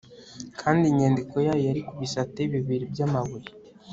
kandi inyandiko yayo yari ku bisate bibiri byamabuye